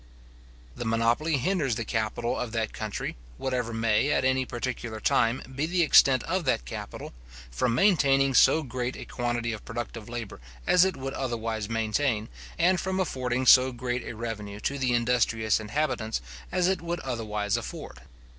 The monopoly hinders the capital of that country, whatever may, at any particular time, be the extent of that capital, from maintaining so great a quantity of productive labour as it would otherwise maintain, and from affording so great a revenue to the industrious inhabitants as it would otherwise afford.